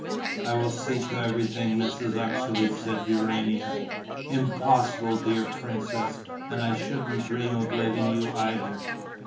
"I will see to everything, Mrs. Uxeley," said Urania. "Impossible, dear princess; and I shouldn't dream of letting you either."